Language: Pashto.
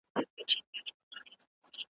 ته ورځه زه در پسې یم زه هم ژر در روانېږم ,